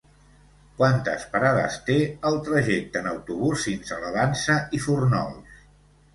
Quantes parades té el trajecte en autobús fins a la Vansa i Fórnols?